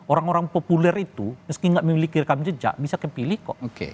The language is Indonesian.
orang orang populer itu meski tidak memiliki rekam jejak bisa kepilih kok